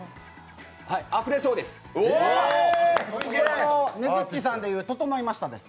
あふれそうです。